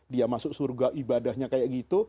dia masuk surga ibadahnya kayak gitu